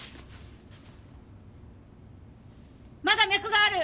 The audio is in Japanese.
まだ脈がある！